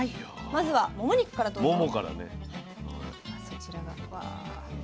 まずはもも肉からどうぞ。